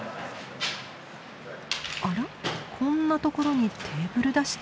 あらこんな所にテーブル出して。